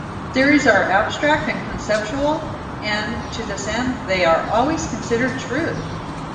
Theories are abstract and conceptual, and to this end they are always considered true.